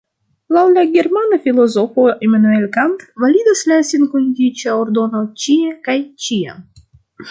Laŭ la germana filozofo Immanuel Kant validas la senkondiĉa ordono ĉie kaj ĉiam.